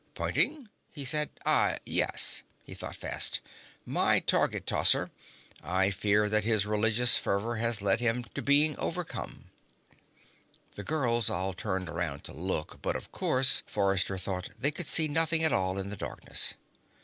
"Pointing?" he said. "Ah, yes." He thought fast. "My target tosser. I fear that his religious fervor has led to his being overcome." The girls all turned round to look but, of course, Forrester thought, they could see nothing at all in the darkness.